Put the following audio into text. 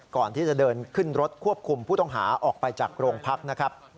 ก่อนที่จะเดินขึ้นรถควบคุมผู้ต้องหาออกไปจากโรงพักนะครับ